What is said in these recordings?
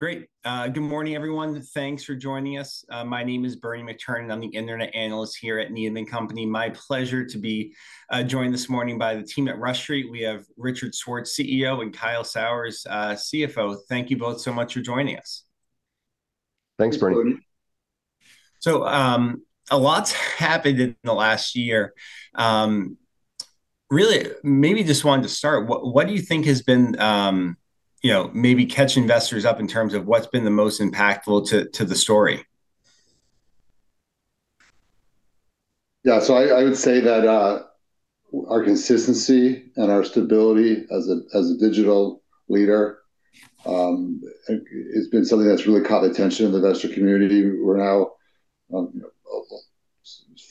Great. Good morning, everyone. Thanks for joining us. My name is Bernie McTernan. I'm the internet analyst here at Needham & Company. My pleasure to be joined this morning by the team at Rush Street. We have Richard Schwartz, CEO, and Kyle Sauers, CFO. Thank you both so much for joining us. Thanks, Bernie. Thanks, Bernie. A lot's happened in the last year. Really maybe just wanted to start, what do you think has been, You know, maybe catch investors up in terms of what's been the most impactful to the story? Yeah, I would say that our consistency and our stability as a digital leader, it's been something that's really caught attention in the investor community. We're now, you know,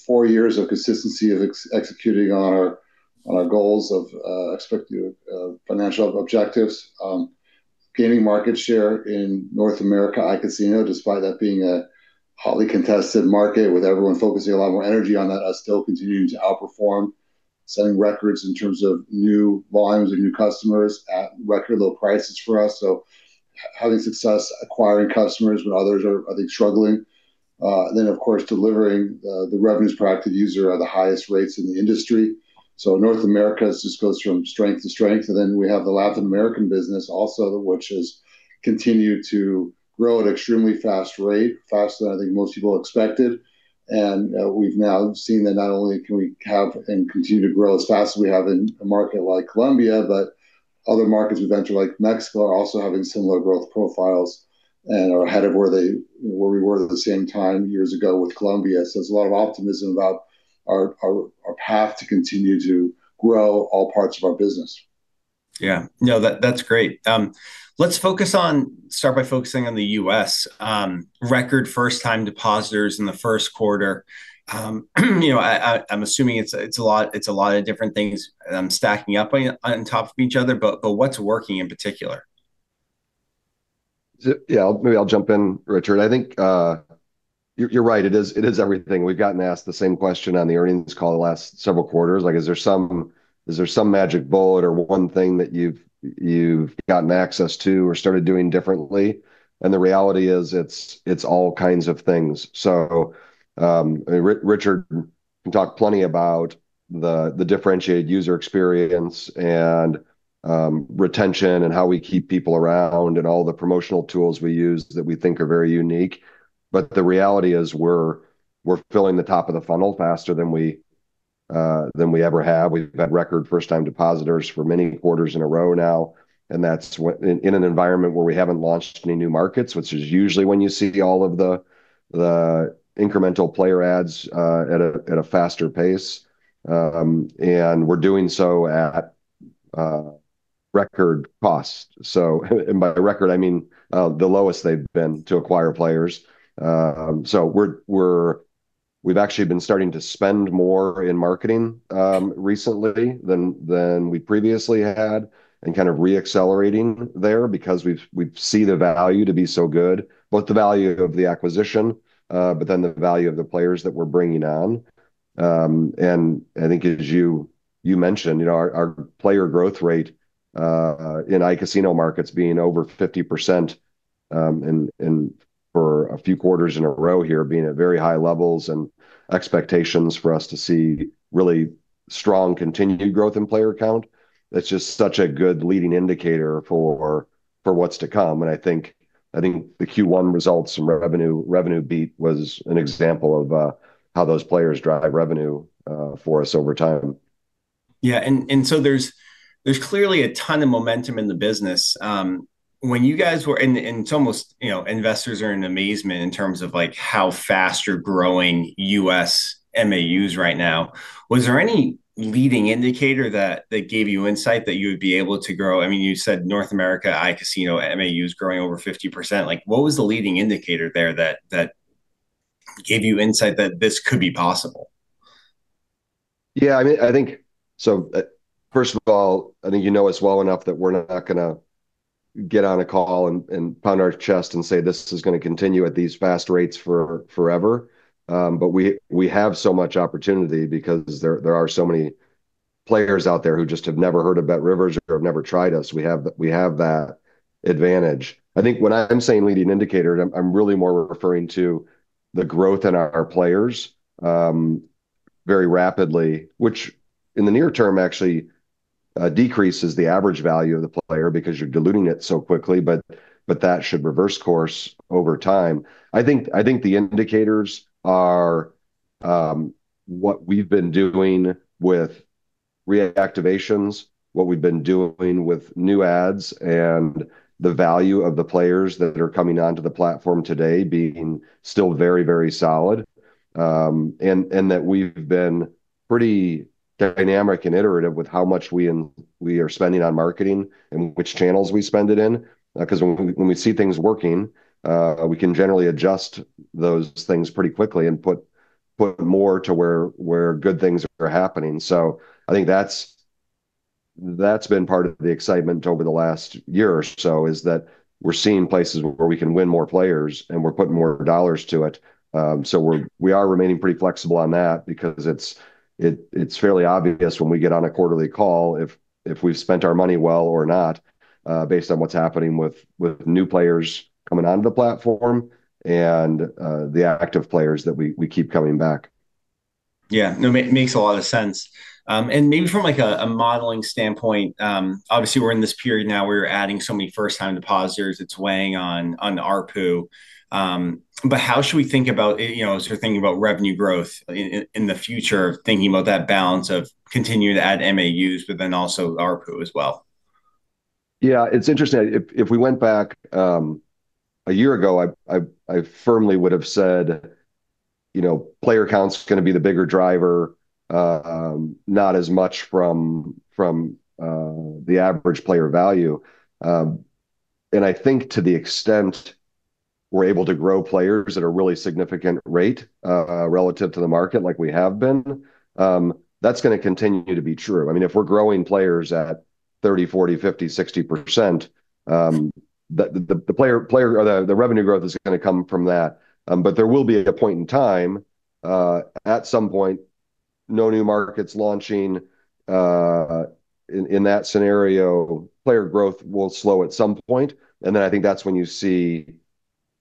four years of consistency of executing on our goals of expect financial objectives. Gaining market share in North America iCasino, despite that being a hotly contested market with everyone focusing a lot more energy on that. Us still continuing to outperform, setting records in terms of new volumes and new customers at record low prices for us. Having success acquiring customers when others are, like, struggling. Of course delivering the revenues per active user at the highest rates in the industry. North America just goes from strength to strength, then we have the Latin American business also, which has continued to grow at extremely fast rate, faster than I think most people expected. We've now seen that not only can we have and continue to grow as fast as we have in a market like Colombia, but other markets we venture, like Mexico, are also having similar growth profiles and are ahead of where we were at the same time years ago with Colombia. There's a lot of optimism about our path to continue to grow all parts of our business. Yeah. No, that's great. Start by focusing on the U.S., record First-Time Depositors in the first quarter. you know, I'm assuming it's a lot of different things, stacking up on top of each other, but what's working in particular? Yeah, maybe I'll jump in, Richard. I think, you're right. It is everything. We've gotten asked the same question on the earnings call the last several quarters. Like, is there some magic bullet or one thing that you've gotten access to or started doing differently? The reality is it's all kinds of things. Richard can talk plenty about the differentiated user experience and retention and how we keep people around and all the promotional tools we use that we think are very unique. The reality is we're filling the top of the funnel faster than we ever have. We've had record First-Time Depositors for many quarters in a row now, that's in an environment where we haven't launched any new markets, which is usually when you see all of the incremental player ads at a faster pace. We're doing so at record cost. By record, I mean, the lowest they've been to acquire players. We've actually been starting to spend more in marketing recently than we previously had, and kind of re-accelerating there because we see the value to be so good, both the value of the acquisition, but then the value of the players that we're bringing on. I think as you mentioned, you know, our player growth rate in iCasino markets being over 50% for a few quarters in a row here, being at very high levels, and expectations for us to see really strong continued growth in player count. That's just such a good leading indicator for what's to come, and I think the Q1 results from revenue beat was an example of how those players drive revenue for us over time. Yeah. There's clearly a ton of momentum in the business. You know, investors are in amazement in terms of, like, how fast you're growing U.S. MAUs right now. Was there any leading indicator that gave you insight that you would be able to grow? I mean, you said North America iCasino MAU is growing over 50%. Like, what was the leading indicator there that gave you insight that this could be possible? Yeah, I mean, I think, so, first of all, I think you know us well enough that we're not gonna get on a call and pound our chest and say, "This is gonna continue at these fast rates for forever." We have so much opportunity because there are so many players out there who just have never heard of BetRivers or have never tried us. We have that advantage. I think when I'm saying leading indicator, I'm really more referring to the growth in our players, very rapidly, which in the near term actually decreases the average value of the player because you're diluting it so quickly, that should reverse course over time. I think the indicators are what we've been doing with reactivations, what we've been doing with new ads, and the value of the players that are coming onto the platform today being still very, very solid. That we've been pretty dynamic and iterative with how much we are spending on marketing and which channels we spend it in. Because when we see things working, we can generally adjust those things pretty quickly and put more to where good things are happening. I think that's been part of the excitement over the last year or so, is that we're seeing places where we can win more players, and we're putting more dollars to it. We are remaining pretty flexible on that because it's fairly obvious when we get on a quarterly call if we've spent our money well or not, based on what's happening with new players coming onto the platform and the active players that we keep coming back. Yeah. No, makes a lot of sense. Maybe from, like, a modeling standpoint, obviously we're in this period now where we're adding so many First-Time Depositors, it's weighing on ARPU. How should we think about, you know, as you're thinking about revenue growth in the future, thinking about that balance of continuing to add MAUs, but then also ARPU as well? Yeah, it's interesting. If we went back a year ago, I firmly would've said, you know, player count's gonna be the bigger driver, not as much from the average player value. I think to the extent we're able to grow players at a really significant rate relative to the market like we have been, that's gonna continue to be true. I mean, if we're growing players at 30%, 40%, 50%, 60%, the revenue growth is gonna come from that. There will be a point in time, at some point, no new markets launching, in that scenario, player growth will slow at some point. I think that's when you see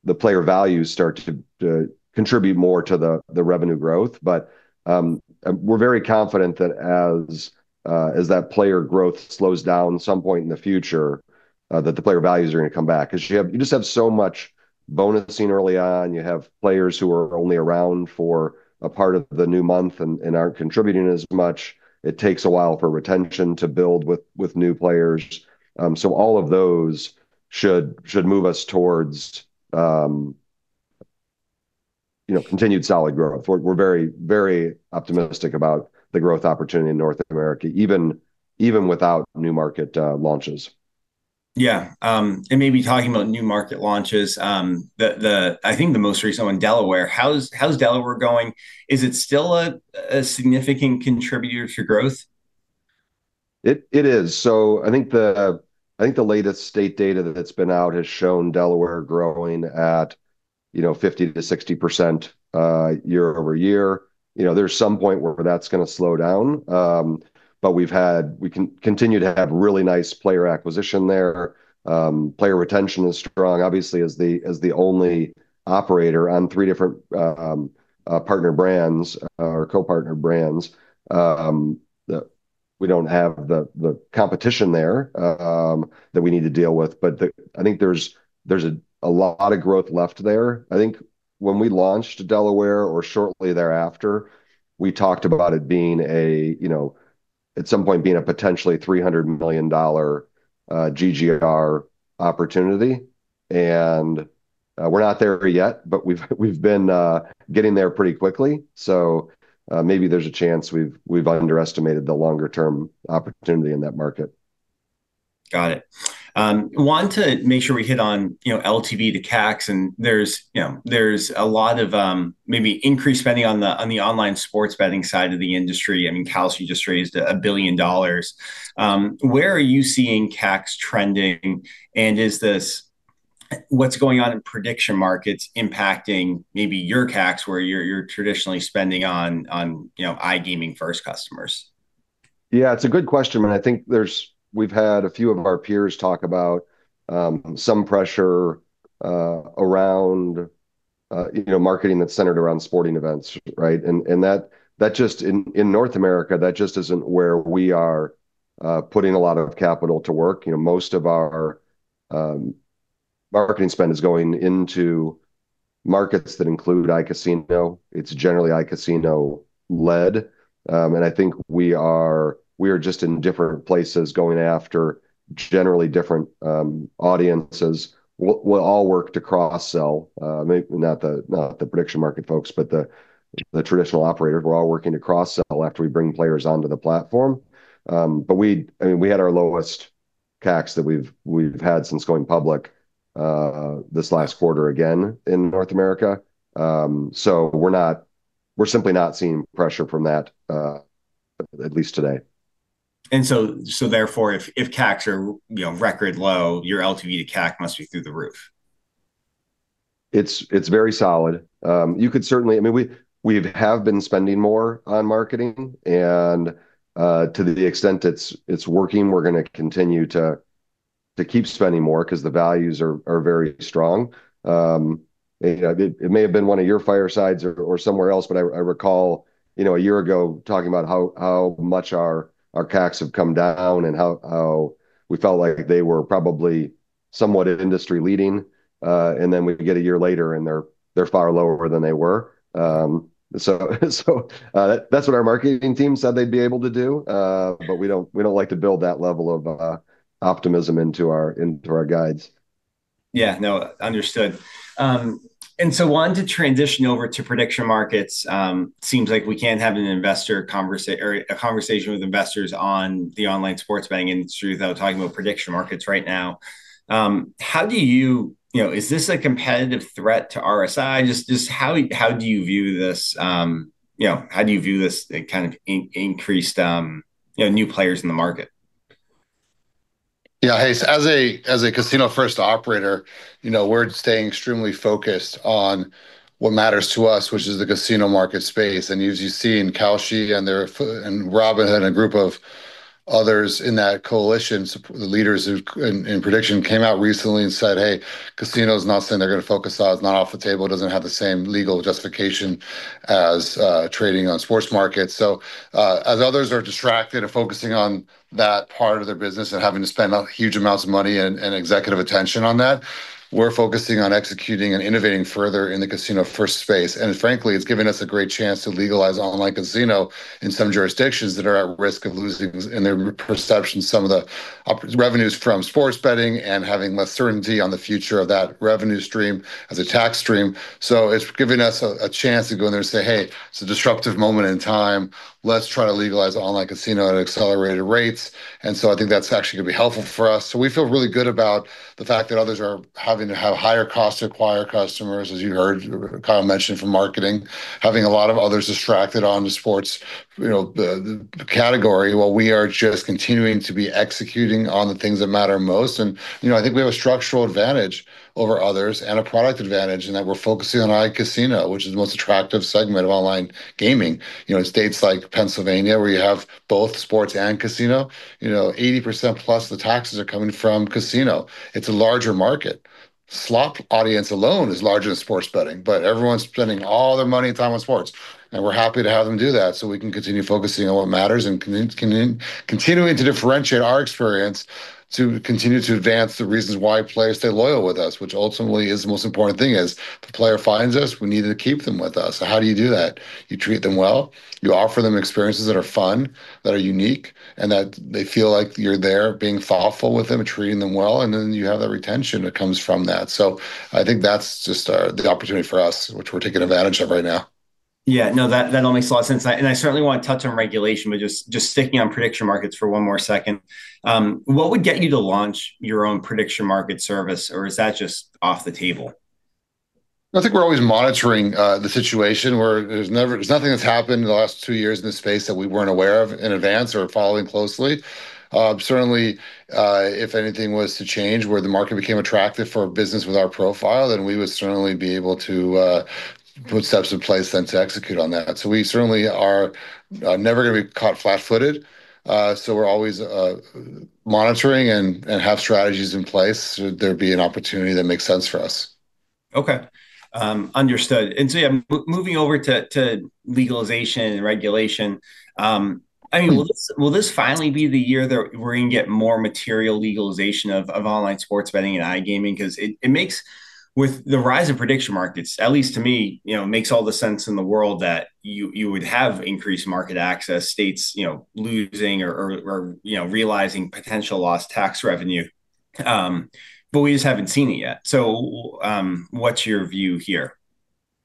the player values start to contribute more to the revenue growth. We're very confident that as that player growth slows down some point in the future, that the player values are gonna come back. 'Cause you just have so much bonusing early on. You have players who are only around for a part of the new month and aren't contributing as much. It takes a while for retention to build with new players. So all of those should move us towards, you know, continued solid growth. We're very, very optimistic about the growth opportunity in North America even without new market, launches. Yeah. Maybe talking about new market launches, the I think the most recent one, Delaware. How's Delaware going? Is it still a significant contributor to growth? It is. I think the latest state data that's been out has shown Delaware growing at 50%-60% year-over-year. There's some point where that's going to slow down. We continue to have really nice player acquisition there. Player retention is strong. Obviously, as the only operator on three different partner brands or co-partner brands, we don't have the competition there that we need to deal with. I think there's a lot of growth left there. I think when we launched Delaware or shortly thereafter, we talked about it being at some point a potentially $300 million GGR opportunity. We're not there yet, but we've been getting there pretty quickly. Maybe there's a chance we've underestimated the longer term opportunity in that market. Got it. Want to make sure we hit on, you know, LTV to CACs and there's, you know, there's a lot of maybe increased spending on the online sports betting side of the industry. I mean, Kalshi just raised $1 billion. Where are you seeing CACs trending? Is this what's going on in prediction markets impacting maybe your CACs where you're traditionally spending on, you know, iGaming first customers? Yeah, it's a good question, and I think there's We've had a few of our peers talk about some pressure around, you know, marketing that's centered around sporting events, right? That just In North America, that just isn't where we are putting a lot of capital to work. You know, most of our marketing spend is going into markets that include iCasino. It's generally iCasino-led. I think we are just in different places going after generally different audiences. We all work to cross-sell, not the prediction market folks, but the traditional operators. We're all working to cross-sell after we bring players onto the platform. We I mean, we had our lowest CACs that we've had since going public, this last quarter again in North America. We're simply not seeing pressure from that, at least today. Therefore, if CACs are you know, record low, your LTV to CAC must be through the roof. It's very solid. You could certainly I mean, we've been spending more on marketing, and to the extent it's working, we're gonna continue to keep spending more 'cause the values are very strong. You know, it may have been one of your Firesides or somewhere else, but I recall, you know, a year ago talking about how much our CACs have come down and how we felt like they were probably somewhat industry-leading. Then we get a year later and they're far lower than they were. That's what our marketing team said they'd be able to do. We don't like to build that level of optimism into our guides. Yeah. No, understood. Wanted to transition over to prediction markets. Seems like we can't have an investor conversation or a conversation with investors on the online sports betting industry without talking about prediction markets right now. How do you You know, is this a competitive threat to RSI? Just how do you view this, you know, how do you view this kind of increased, you know, new players in the market? Yeah. Hey, as a casino-first Operator, you know, we're staying extremely focused on what matters to us, which is the casino market space. As you see in Kalshi and Robinhood. Others in that coalition, the leaders in prediction came out recently and said, "Hey, casinos are not something they're gonna focus on. It's not off the table. It doesn't have the same legal justification as trading on sports markets." As others are distracted and focusing on that part of their business and having to spend a huge amounts of money and executive attention on that, we're focusing on executing and innovating further in the casino-first space. Frankly, it's given us a great chance to legalize online casino in some jurisdictions that are at risk of losing, in their perception, some of the revenues from sports betting and having less certainty on the future of that revenue stream as a tax stream. It's giving us a chance to go in there and say, "Hey, it's a disruptive moment in time. Let's try to legalize online casino at accelerated rates. I think that's actually gonna be helpful for us. We feel really good about the fact that others are having to have higher costs to acquire customers, as you heard Kyle Sauers mention from marketing, having a lot of others distracted onto sports, you know, the category, while we are just continuing to be executing on the things that matter most. You know, I think we have a structural advantage over others and a product advantage in that we're focusing on iCasino, which is the most attractive segment of online gaming. You know, in states like Pennsylvania, where you have both sports and casino, you know, 80%+ of the taxes are coming from casino. It's a larger market. Slot audience alone is larger than sports betting. Everyone's spending all their money and time on sports, and we're happy to have them do that so we can continue focusing on what matters and continuing to differentiate our experience to continue to advance the reasons why players stay loyal with us, which ultimately is the most important thing, is the player finds us, we need to keep them with us. How do you do that? You treat them well. You offer them experiences that are fun, that are unique, and that they feel like you're there being thoughtful with them and treating them well. You have that retention that comes from that. I think that's just the opportunity for us, which we're taking advantage of right now. No, that only saw sense. I certainly want to touch on regulation, just sticking on prediction markets for one more second. What would get you to launch your own prediction market service, or is that just off the table? I think we're always monitoring the situation. There's nothing that's happened in the last two years in this space that we weren't aware of in advance or following closely. Certainly, if anything was to change where the market became attractive for a business with our profile, then we would certainly be able to put steps in place then to execute on that. We certainly are never gonna be caught flat-footed. We're always monitoring and have strategies in place should there be an opportunity that makes sense for us. Okay. Understood. Yeah, moving over to legalization and regulation. I mean. Please Will this finally be the year that we're gonna get more material legalization of online sports betting and iGaming? Cause it makes, with the rise of prediction markets, at least to me, you know, it makes all the sense in the world that you would have increased market access, states, you know, losing or realizing potential lost tax revenue. We just haven't seen it yet. What's your view here?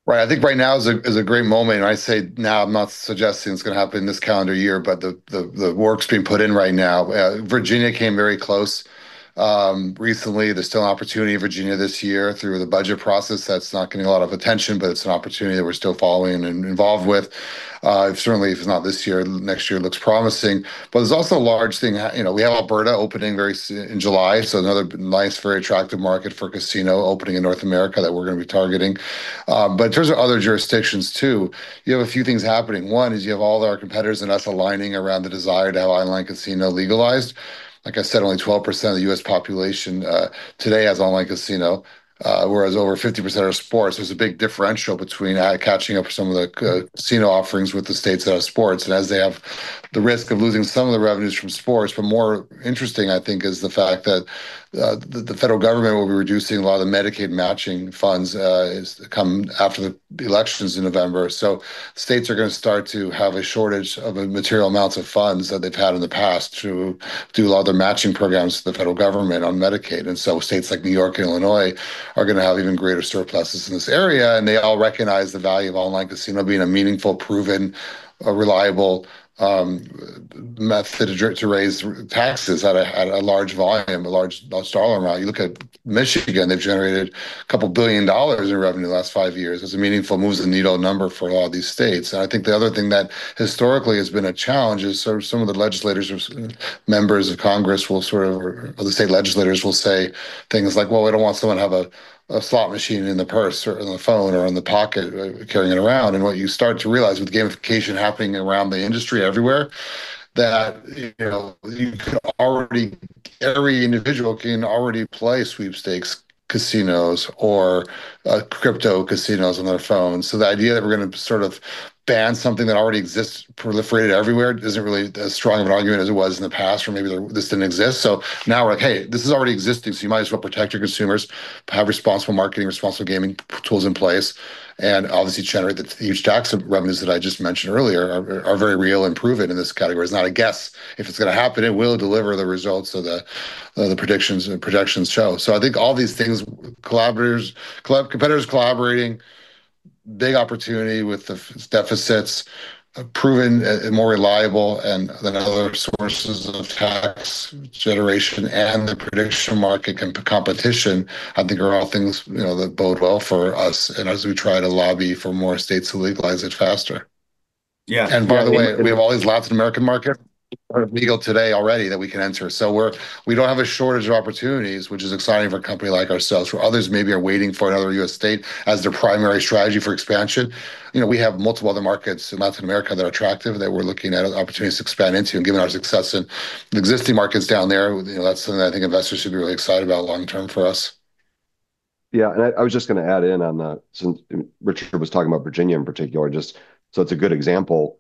Right. I think right now is a great moment, and I say now, I'm not suggesting it's gonna happen this calendar year, but the work's being put in right now. Virginia came very close recently. There's still an opportunity in Virginia this year through the budget process that's not getting a lot of attention, but it's an opportunity that we're still following and involved with. Certainly, if it's not this year, next year looks promising. There's also a large thing, you know, we have Alberta opening in July, so another nice, very attractive market for casino opening in North America that we're gonna be targeting. In terms of other jurisdictions too, you have a few things happening. One is you have all of our competitors and us aligning around the desire to have online casino legalized. Like I said, only 12% of the U.S. population today has online casino, whereas over 50% are sports. There's a big differential between catching up with some of the casino offerings with the states that have sports, and as they have the risk of losing some of the revenues from sports. More interesting, I think, is the fact that the federal government will be reducing a lot of the Medicaid matching funds after the elections in November. States are gonna start to have a shortage of a material amounts of funds that they've had in the past to do a lot of their matching programs with the federal government on Medicaid. States like New York and Illinois are going to have even greater surpluses in this area, and they all recognize the value of online casino being a meaningful, proven, a reliable method to raise taxes at a large volume, a large dollar amount. You look at Michigan, they have generated $2 billion in revenue the last five years. It is a meaningful moves-the-needle number for a lot of these states. I think the other thing that historically has been a challenge is sort of some of the legislators or members of Congress will sort of, or the state legislators will say things like, "Well, we don't want someone to have a slot machine in the purse or in the phone or in the pocket carrying it around." What you start to realize with gamification happening around the industry everywhere, that, you know, every individual can already play sweepstakes casinos or crypto casinos on their phone. The idea that we're gonna sort of ban something that already exists, proliferated everywhere, isn't really as strong of an argument as it was in the past when maybe this didn't exist. Now we're like, "Hey, this is already existing, so you might as well protect your consumers, have responsible marketing, responsible gaming tools in place," and obviously generate the huge stacks of revenues that I just mentioned earlier are very real and proven in this category. It's not a guess. If it's gonna happen, it will deliver the results of the predictions and projections show. I think all these things, collaborators, competitors collaborating, big opportunity with the deficits, proven and more reliable and, than other sources of tax generation and the prediction market competition, I think are all things, you know, that bode well for us and as we try to lobby for more states to legalize it faster. Yeah. By the way, we have all these Latin American market, sort of, legal today already that we can enter. We don't have a shortage of opportunities, which is exciting for a company like ourselves. Where others maybe are waiting for another U.S. state as their primary strategy for expansion, you know, we have multiple other markets in Latin America that are attractive that we're looking at opportunities to expand into. Given our success in existing markets down there, you know, that's something I think investors should be really excited about long-term for us. I was just going to add in on that since Richard was talking about Virginia in particular, just so it's a good example.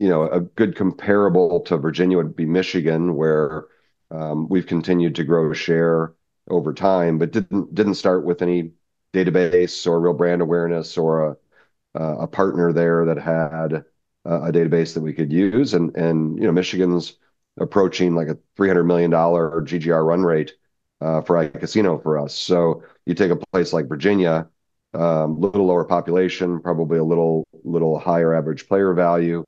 You know, a good comparable to Virginia would be Michigan, where we've continued to grow share over time, but didn't start with any database or real brand awareness or a partner there that had a database that we could use. You know, Michigan's approaching like a $300 million GGR run rate for iCasino for us. You take a place like Virginia, a little lower population, probably a little higher average player value.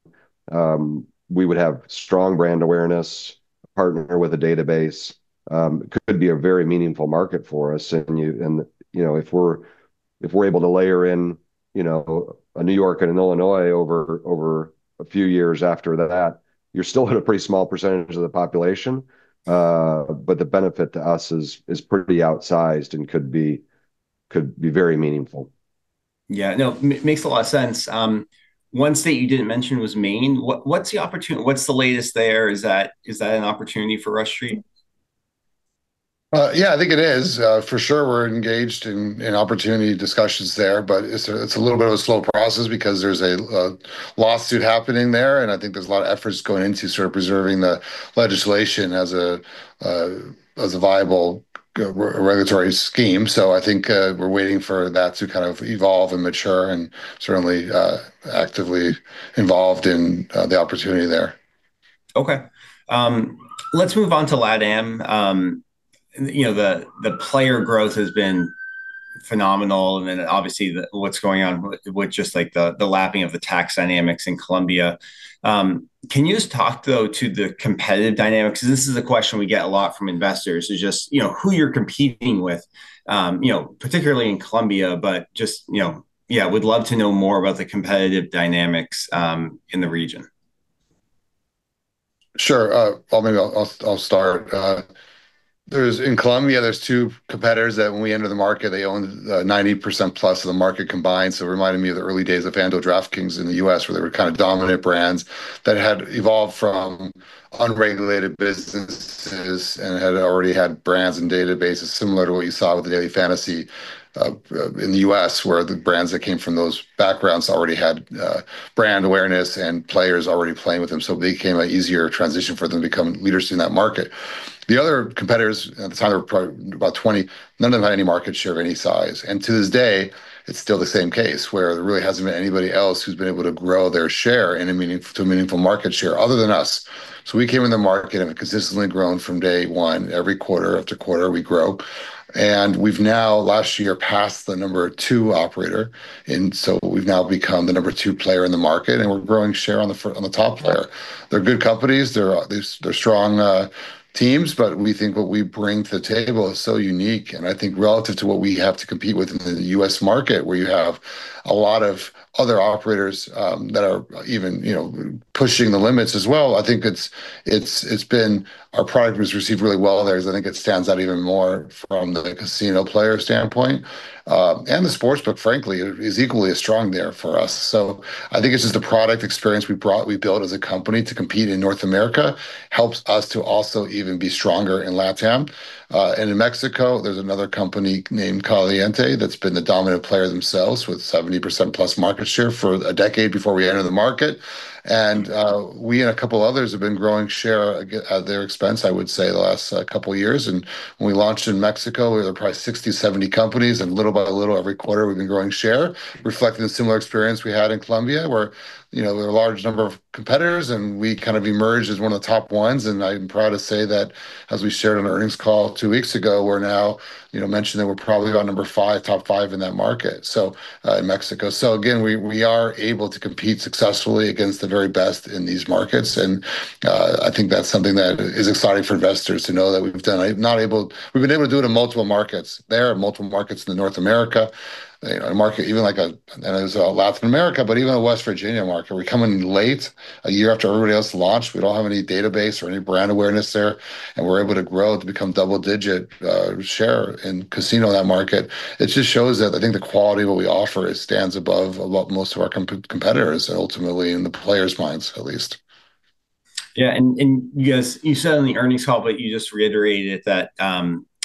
We would have strong brand awareness, a partner with a database, could be a very meaningful market for us. You know, if we're able to layer in, you know, a New York and an Illinois over a few years after that, you're still at a pretty small percentage of the population. The benefit to us is pretty outsized and could be very meaningful. Yeah, no, makes a lot of sense. One state you didn't mention was Maine. What's the latest there? Is that an opportunity for Rush Street? Yeah, I think it is. For sure we're engaged in opportunity discussions there, but it's a little bit of a slow process because there's a lawsuit happening there, and I think there's a lot of efforts going into sort of preserving the legislation as a viable regulatory scheme. I think, we're waiting for that to kind of evolve and mature and certainly actively involved in the opportunity there. Okay. let's move on to LATAM. you know, the player growth has been phenomenal and then obviously what's going on with just like the lapping of the tax dynamics in Colombia. can you just talk though to the competitive dynamics? This is a question we get a lot from investors is just, you know, who you're competing with, you know, particularly in Colombia, but just, you know. Yeah, we'd love to know more about the competitive dynamics in the region. Sure. Well, maybe I'll start. In Colombia, there's two competitors that when we entered the market, they owned 90%+ of the market combined. It reminded me of the early days of FanDuel, DraftKings in the U.S., where they were kind of dominant brands that had evolved from unregulated businesses and had already had brands and databases similar to what you saw with the daily fantasy in the U.S., where the brands that came from those backgrounds already had brand awareness and players already playing with them. It became an easier transition for them to become leaders in that market. The other competitors, at the time there were probably about 20, none of them had any market share of any size. To this day, it's still the same case, where there really hasn't been anybody else who's been able to grow their share to a meaningful market share other than us. We came in the market and have consistently grown from day one. Every quarter after quarter, we grow. We've now last year passed the number two operator, we've now become the number two player in the market, and we're growing share on the top player. They're good companies. They're, they're strong teams, but we think what we bring to the table is so unique. I think relative to what we have to compete with in the U.S. market, where you have a lot of other operators, that are even, you know, pushing the limits as well, Our product was received really well there, as I think it stands out even more from the casino player standpoint. The sportsbook, frankly, is equally as strong there for us. I think it's just the product experience we brought, we built as a company to compete in North America helps us to also even be stronger in LATAM. In Mexico, there's another company named Caliente that's been the dominant player themselves with 70%+ market share for a decade before we entered the market. We and a couple others have been growing share at their expense, I would say, the last couple years. When we launched in Mexico, we were probably 60, 70 companies, and little by little, every quarter we've been growing share, reflecting the similar experience we had in Colombia, where, you know, there are a large number of competitors and we kind of emerged as one of the top ones. I'm proud to say that as we shared on the earnings call two weeks ago, we're now, you know, mentioning we're probably about number five, top five in that market, so in Mexico. Again, we are able to compete successfully against the very best in these markets and I think that's something that is exciting for investors to know that we've done. We've been able to do it in multiple markets. There are multiple markets in North America, you know, Latin America, even a West Virginia market. We come in late, a year after everybody else launched. We don't have any database or any brand awareness there. We're able to grow to become double-digit share in casino in that market. It just shows that I think the quality of what we offer, it stands above most of our competitors ultimately in the players' minds at least. Yeah. You said on the earnings call, but you just reiterated that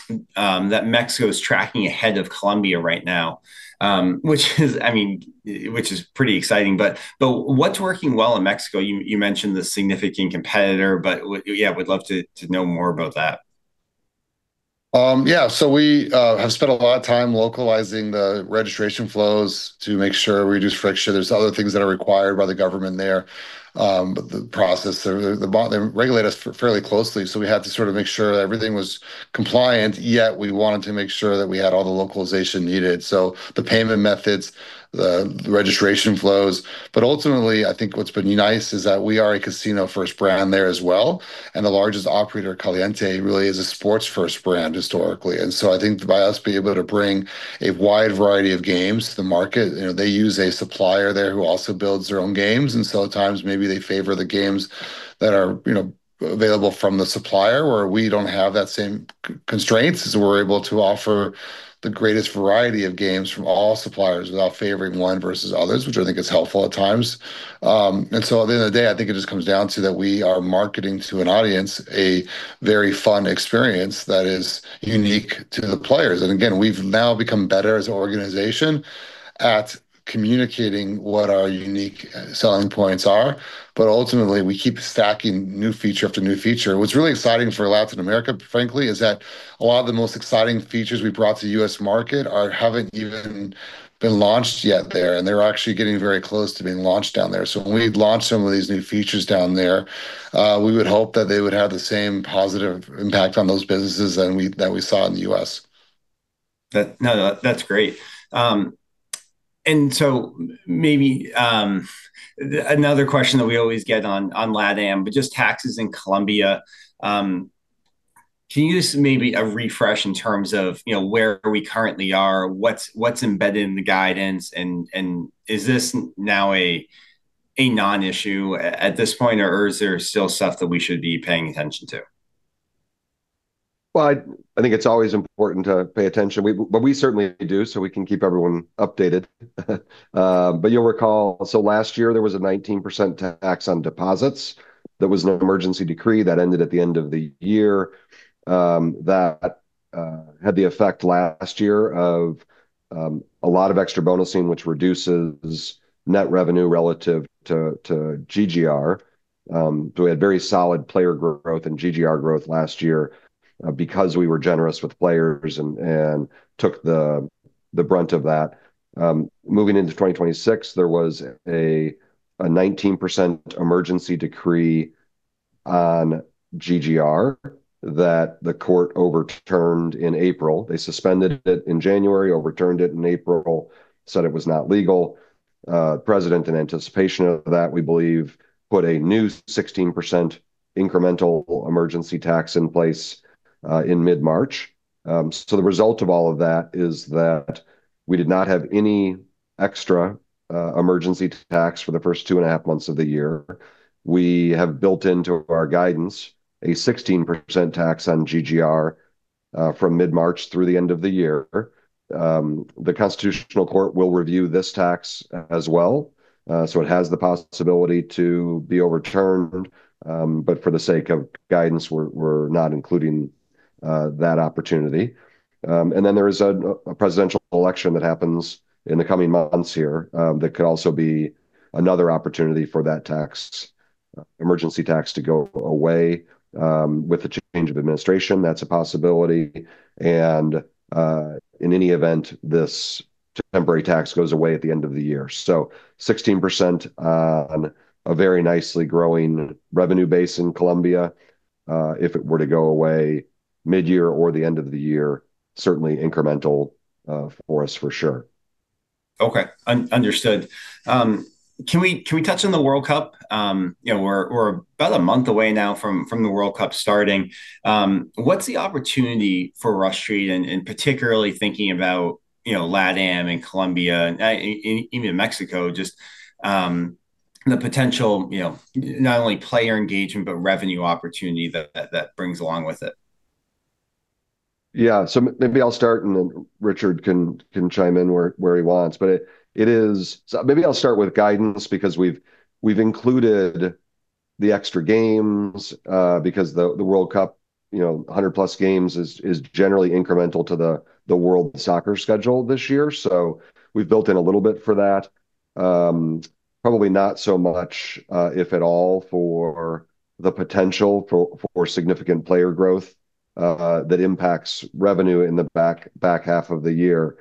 Mexico is tracking ahead of Colombia right now. Which is, I mean, pretty exciting. What's working well in Mexico? You mentioned the significant competitor, yeah, we'd love to know more about that. We have spent a lot of time localizing the registration flows to make sure we reduce friction. There's other things that are required by the government there. The process, they regulate us fairly closely, so we had to sort of make sure that everything was compliant, yet we wanted to make sure that we had all the localization needed. The payment methods, the registration flows. Ultimately, I think what's been nice is that we are a casino-first brand there as well, and the largest operator, Caliente, really is a sports-first brand historically. I think by us being able to bring a wide variety of games to the market, you know, they use a supplier there who also builds their own games, at times, maybe they favor the games that are, you know, available from the supplier, where we don't have that same constraints. The greatest variety of games from all suppliers without favoring one versus others, which I think is helpful at times. At the end of the day, I think it just comes down to that we are marketing to an audience a very fun experience that is unique to the players. Again, we've now become better as an organization at communicating what our unique selling points are, but ultimately we keep stacking new feature after new feature. What's really exciting for Latin America, frankly, is that a lot of the most exciting features we brought to the U.S. market haven't even been launched yet there, and they're actually getting very close to being launched down there. When we launch some of these new features down there, we would hope that they would have the same positive impact on those businesses that we saw in the U.S. No, no, that's great. Maybe another question that we always get on LATAM, but just taxes in Colombia. Can you give us maybe a refresh in terms of, you know, where we currently are? What's, what's embedded in the guidance? Is this now a non-issue at this point, or is there still stuff that we should be paying attention to? Well, I think it's always important to pay attention. We certainly do, we can keep everyone updated. You'll recall, last year there was a 19% tax on deposits. There was an emergency decree that ended at the end of the year, that had the effect last year of a lot of extra bonusing, which reduces net revenue relative to GGR. We had very solid player growth and GGR growth last year, because we were generous with players and took the brunt of that. Moving into 2026, there was a 19% emergency decree on GGR that the Court overturned in April. They suspended it in January, overturned it in April, said it was not legal. President, in anticipation of that, we believe, put a new 16% incremental emergency tax in place in mid-March. The result of all of that is that we did not have any extra emergency tax for the first 2.5 months of the year. We have built into our guidance a 16% tax on GGR from mid-March through the end of the year. The Constitutional Court will review this tax as well, it has the possibility to be overturned. For the sake of guidance, we're not including that opportunity. There is a presidential election that happens in the coming months here, that could also be another opportunity for that emergency tax to go away. With the change of administration, that's a possibility and, in any event, this temporary tax goes away at the end of the year. 16% on a very nicely growing revenue base in Colombia. If it were to go away mid-year or the end of the year, certainly incremental for us for sure. Okay. Understood. Can we touch on the World Cup? You know, we're about a month away now from the World Cup starting. What's the opportunity for Rush Street and particularly thinking about, you know, LATAM and Colombia, even Mexico, just the potential, you know, not only player engagement, but revenue opportunity that brings along with it? Yeah. Maybe I'll start and then Richard can chime in where he wants. Maybe I'll start with guidance because we've included the extra games because the World Cup, you know, 100+ games is generally incremental to the world soccer schedule this year. We've built in a little bit for that. Probably not so much, if at all, for the potential for significant player growth that impacts revenue in the back half of the year.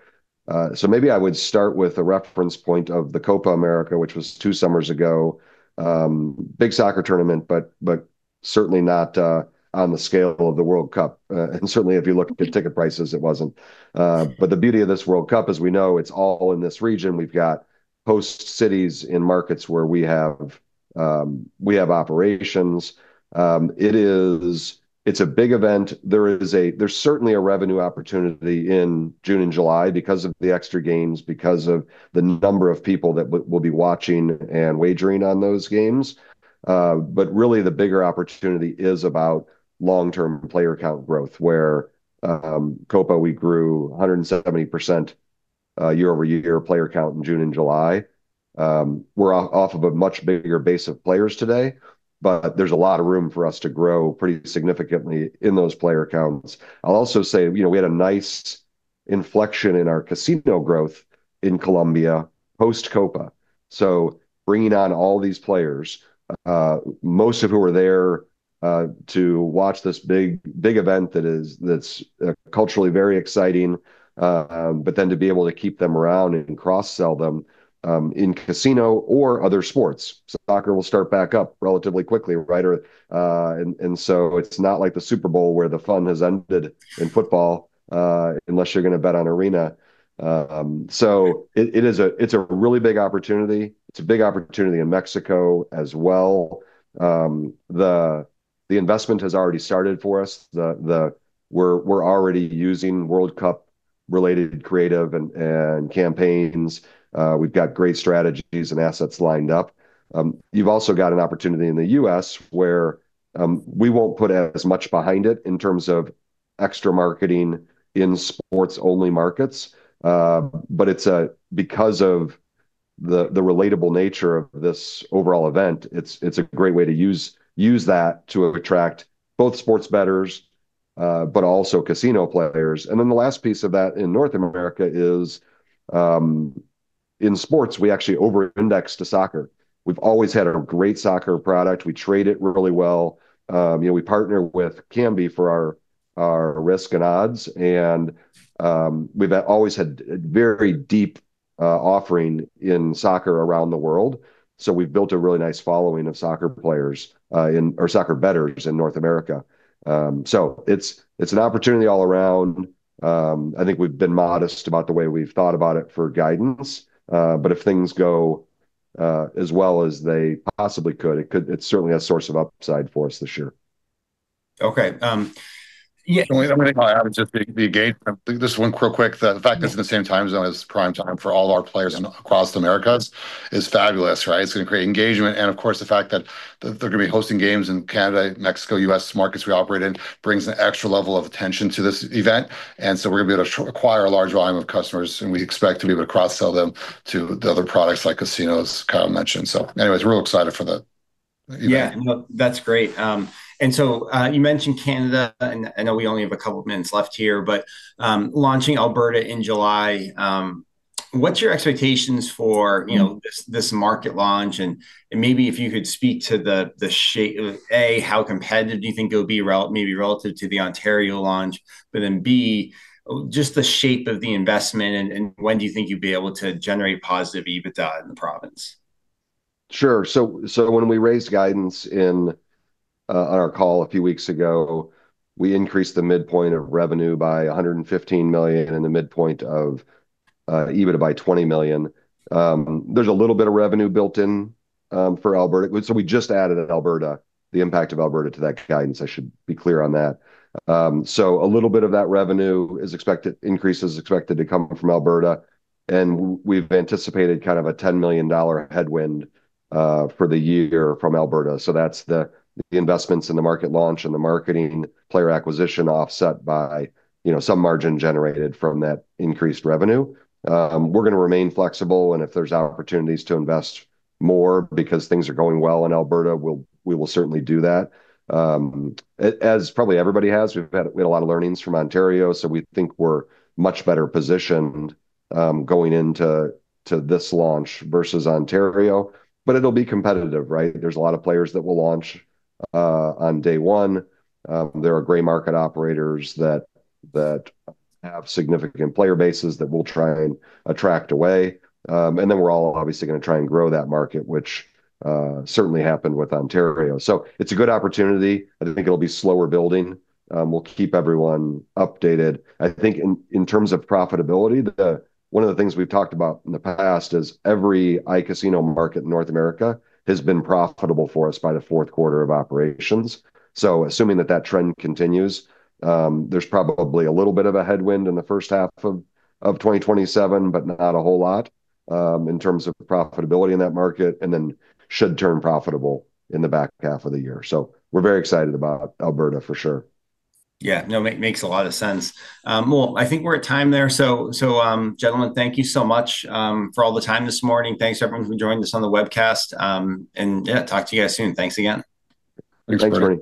Maybe I would start with a reference point of the Copa América, which was two summers ago. Big soccer tournament, certainly not on the scale of the World Cup. Certainly if you look at ticket prices, it wasn't. The beauty of this World Cup, as we know, it's all in this region. We've got host cities in markets where we have operations. It's a big event. There's certainly a revenue opportunity in June and July because of the extra games, because of the number of people that will be watching and wagering on those games. Really the bigger opportunity is about long-term player count growth, where, Copa we grew 170% year-over-year player count in June and July. We're off of a much bigger base of players today, but there's a lot of room for us to grow pretty significantly in those player counts. I'll also say, you know, we had a nice inflection in our casino growth in Colombia post-Copa. Bringing on all these players, most of who are there to watch this big, big event that's culturally very exciting. Then to be able to keep them around and cross-sell them in casino or other sports. Soccer will start back up relatively quickly, right? It's not like the Super Bowl where the fun has ended in football, unless you're gonna bet on Arena. It's a really big opportunity. It's a big opportunity in Mexico as well. The investment has already started for us. We're already using World Cup-related creative and campaigns. We've got great strategies and assets lined up. You've also got an opportunity in the U.S. where we won't put as much behind it in terms of extra marketing in sports-only markets. But it's because of the relatable nature of this overall event, it's a great way to use that to attract both sports bettors, but also casino players. The last piece of that in North America is in sports we actually over-index to soccer. We've always had a great soccer product. We trade it really well. You know, we partner with Kambi for our risk and odds. We've always had a very deep offering in soccer around the world, so we've built a really nice following of soccer players in or soccer bettors in North America. It's an opportunity all around. I think we've been modest about the way we've thought about it for guidance. If things go as well as they possibly could, it's certainly a source of upside for us this year. Okay. Yeah. The only thing I would add, just the engagement. Just one real quick. Yeah It's in the same time zone as prime time for all our players across the Americas is fabulous, right? It's gonna create engagement. Of course, the fact that they're gonna be hosting games in Canada, Mexico, U.S. markets we operate in brings an extra level of attention to this event, and so we're gonna be able to acquire a large volume of customers, and we expect to be able to cross-sell them to the other products like casinos, Kyle mentioned. Anyways, we're real excited for the event. Yeah. No, that's great. You mentioned Canada, and I know we only have a couple of minutes left here, but launching Alberta in July, what's your expectations for, you know, this market launch? Maybe if you could speak to the shape, A, how competitive do you think it'll be relative to the Ontario launch, but then, B, just the shape of the investment and when do you think you'd be able to generate positive EBITDA in the province? Sure. When we raised guidance in on our call a few weeks ago, we increased the midpoint of revenue by $115 million and the midpoint of EBITDA by $20 million. There's a little bit of revenue built in for Alberta. We just added Alberta, the impact of Alberta to that guidance, I should be clear on that. A little bit of that revenue is expected, increase is expected to come from Alberta, and we've anticipated kind of a $10 million headwind for the year from Alberta. That's the investments in the market launch and the marketing player acquisition offset by, you know, some margin generated from that increased revenue. We're gonna remain flexible, and if there's opportunities to invest more because things are going well in Alberta, we will certainly do that. As probably everybody has, we had a lot of learnings from Ontario, we think we're much better positioned going into this launch versus Ontario. It'll be competitive, right? There's a lot of players that will launch on day one. There are gray market operators that have significant player bases that we'll try and attract away. We're all obviously going to try and grow that market, which certainly happened with Ontario. It's a good opportunity. I think it'll be slower building. We'll keep everyone updated. I think in terms of profitability, one of the things we've talked about in the past is every iCasino market in North America has been profitable for us by the fourth quarter of operations. Assuming that that trend continues, there's probably a little bit of a headwind in the first half of 2027, but not a whole lot in terms of profitability in that market, and then should turn profitable in the back half of the year. We're very excited about Alberta, for sure Yeah. No, makes a lot of sense. Well, I think we're at time there. Gentlemen, thank you so much for all the time this morning. Thanks to everyone who joined us on the webcast. Yeah, talk to you guys soon. Thanks again. Thanks, Bernie.